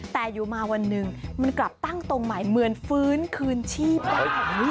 แต่อยู่มาวันหนึ่งมันกลับตั้งตรงใหม่เหมือนฟื้นคืนชีพไปแบบนี้